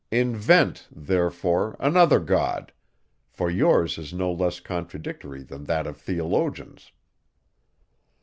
Invent, therefore, another God; for yours is no less contradictory than that of theologians.